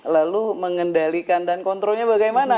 lalu mengendalikan dan kontrolnya bagaimana